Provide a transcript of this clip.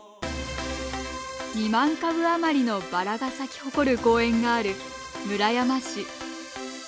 ２万株あまりのバラが咲き誇る公園がある村山市。